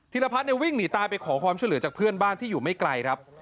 รพัฒน์วิ่งหนีตายไปขอความช่วยเหลือจากเพื่อนบ้านที่อยู่ไม่ไกลครับ